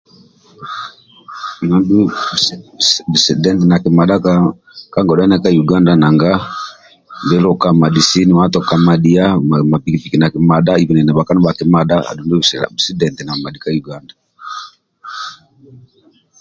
Bisidenti nakimadhaga ka godha ndiaka Uganda nanga biluka amadhi sini matoka amadhiya mapikipiki nakimadha na bhakpa nibhakimadha andu ndulu bisidenti namadhi ka Uganda.